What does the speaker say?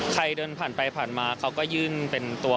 ใครเดินผ่านไปผ่านมาเขาก็ยื่นเป็นตัว